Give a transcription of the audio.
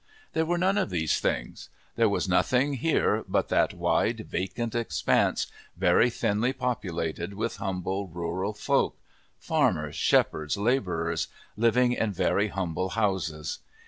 There were none of these things; there was nothing here but that wide, vacant expanse, very thinly populated with humble, rural folk farmers, shepherds, labourers living in very humble houses.